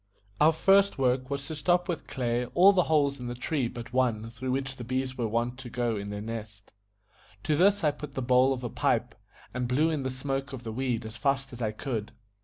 Our first work was to stop with clay all the holes in the tree but one through which the bees were wont to go in to their nest. To this I put the bowl of a pipe, and blew in the smoke of the weed as fast as I could.